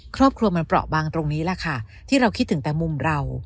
ครอบครัวมันเปราะบางตรงนี้แหละค่ะที่เราคิดถึงแต่มุมเรา